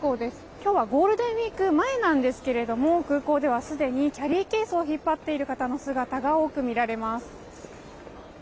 今日はゴールデンウィーク前なんですけども、空港ではすでにキャリーケースを引っ張っている方の姿が多く見られます。